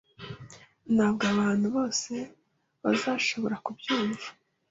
Ntabwo abantu bose bazashobora kubyumva.